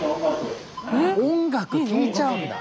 音楽聴いちゃうんだ。